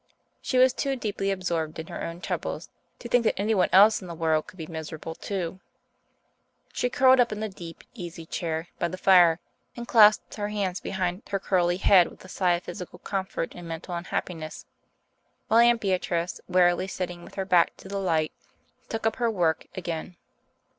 She was too deeply absorbed in her own troubles to think that anyone else in the world could be miserable too. She curled up in the deep easy chair by the fire, and clasped her hands behind her curly head with a sigh of physical comfort and mental unhappiness, while Aunt Beatrice, warily sitting with her back to the light, took up her work again.